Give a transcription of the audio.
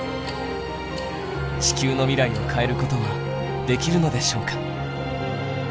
地球の未来を変えることはできるのでしょうか。